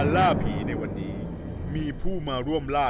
ในวันนี้มีผู้มาร่วมล่า